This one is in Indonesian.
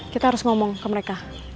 kita harus ngomong ke mereka